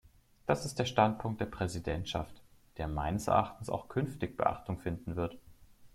Das ist der Standpunkt der Präsidentschaft, der meines Erachtens auch künftig Beachtung finden wird.